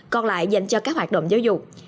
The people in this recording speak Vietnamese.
còn lại dành cho các hoạt động giáo dục